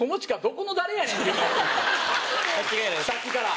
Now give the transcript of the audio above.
さっきから！